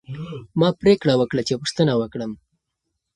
ما پریکړه وکړه چې پوښتنه وکړم.